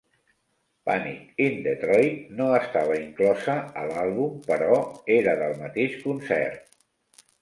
"Panic in Detroit" no estava inclosa a l'àlbum, però era del mateix concert.